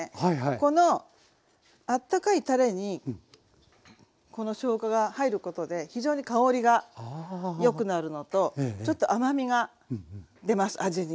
このあったかいたれにこのしょうがが入ることで非常に香りがよくなるのとちょっと甘みが出ます味に。